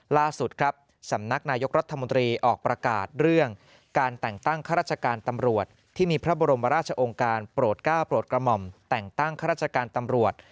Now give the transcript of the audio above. ล่าสุดครับสำนักนายกรัฐมนตรีออกประกาศเรื่องการแต่งตั้งข้าราชการตำรวจที่มีพระบรมราชองค์การโปรดก้าวโปรดกระหม่อมแต่งตั้งข้าราชการตำรวจ